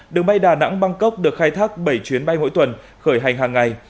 đường bay đà nẵng bangkok được khai thác bảy chuyến bay mỗi tuần khởi hành hàng ngày